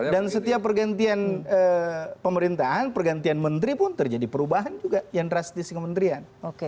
dan setiap pergantian pemerintahan pergantian menteri pun terjadi perubahan juga yang drastis ke menterian